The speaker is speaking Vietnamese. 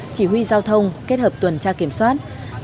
chỉ huy giao thông kết hợp tuần tra kiểm soát